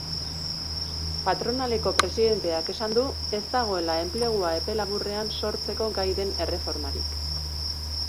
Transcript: Patronaleko presidenteak esan du ez dagoela enplegua epe laburrean sortzeko gai den erreformarik.